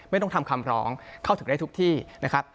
ไม่ต้องทำคำร้องเข้าถึงได้ทุกที่นะครับ